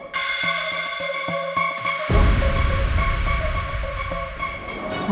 selamat siang bu